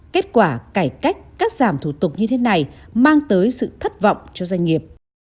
kết quả cải cách cắt giảm thủ tục như thế này mang tới sự thất vọng cho doanh nghiệp